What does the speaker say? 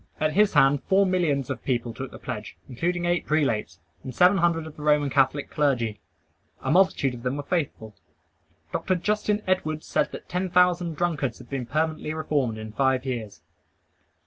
At his hand four millions of people took the pledge, including eight prelates, and seven hundred of the Roman Catholic clergy. A multitude of them were faithful. Dr. Justin Edwards said that ten thousand drunkards had been permanently reformed in five years.